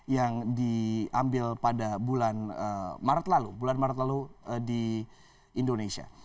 yang diambil pada bulan maret lalu di indonesia